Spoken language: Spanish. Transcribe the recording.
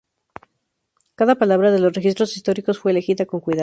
Cada palabra de los registros históricos fue elegida con cuidado.